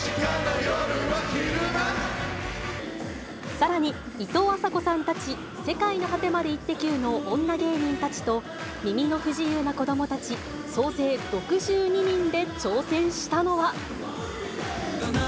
さらに、いとうあさこさんたち、世界の果てまでイッテＱ！の女芸人たちと、耳の不自由な子どもたち総勢６２人で挑戦したのは。